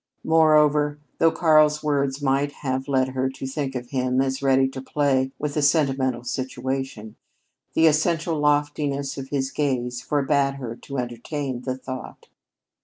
Moreover, though Karl's words might have led her to think of him as ready to play with a sentimental situation, the essential loftiness of his gaze forbade her to entertain the thought.